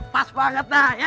pas banget lah ya